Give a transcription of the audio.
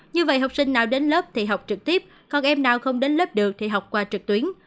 như vậy học sinh nào đến lớp thì học trực tiếp con em nào không đến lớp được thì học qua trực tuyến